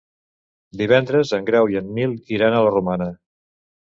Divendres en Grau i en Nil iran a la Romana.